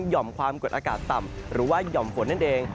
่อมความกดอากาศต่ำหรือว่าหย่อมฝนนั่นเอง